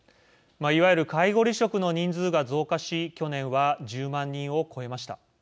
いわゆる介護離職の人数が増加し去年は１０万人を超えました。